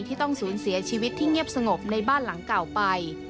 ที่ต้องสูญเสียชีวิตที่เงียบสงบในบ้านหลังเก่าไป